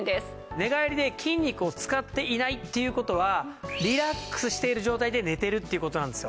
寝返りで筋肉を使っていないっていう事はリラックスしている状態で寝てるっていう事なんですよ。